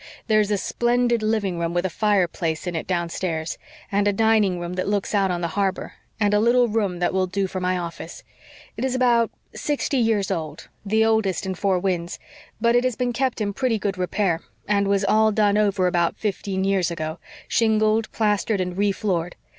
There's a splendid living room with a fireplace in it downstairs, and a dining room that looks out on the harbor, and a little room that will do for my office. It is about sixty years old the oldest house in Four Winds. But it has been kept in pretty good repair, and was all done over about fifteen years ago shingled, plastered and re floored.